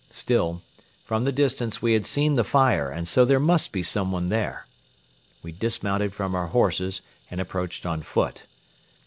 Still, from the distance we had seen the fire and so there must be someone there. We dismounted from our horses and approached on foot.